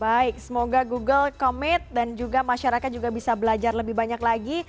baik semoga google commit dan juga masyarakat juga bisa belajar lebih banyak lagi